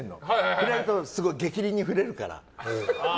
触れると、すごい逆鱗に触れるから。